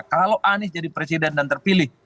kalau anies jadi presiden dan terpilih